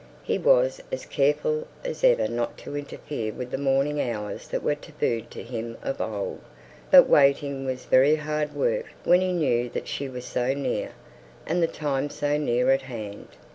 He was as careful as ever not to interfere with the morning hours that were tabooed to him of old; but waiting was very hard work when he knew that she was so near, and the time so near at hand.